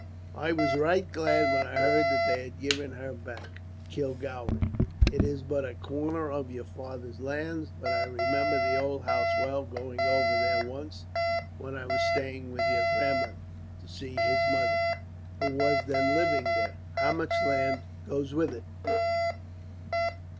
"I was right glad when I heard that they had given her back Kilgowrie. It is but a corner of your father's lands; but I remember the old house well, going over there once, when I was staying with your grandfather, to see his mother, who was then living there. How much land goes with it?"